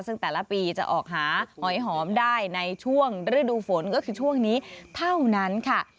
ซึ่งแต่ละปีจะออกหาหอยหอมได้ในช่วงฤดูฝนก็คือช่วงนี้เท่านั้นค่ะ